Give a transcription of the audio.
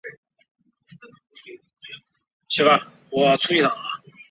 该组织的成员参加了罗贾瓦的国际自由营中的联合自由力量。